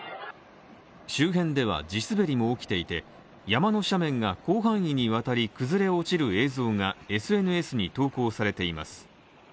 周辺では地滑りも起きていて、山の斜面が広範囲にわたり崩れ落ちる映像がＳＮＳに投稿されています。